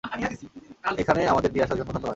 এখানে আমাদের নিয়ে আসার জন্য ধন্যবাদ।